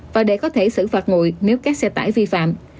và để có thể xử phạt ngồi nếu các xe tải vi phạm